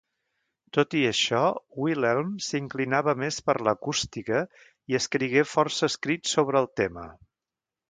Tot i això, Wilhelm s'inclinava més per l'acústica i escrigué força escrits sobre el tema.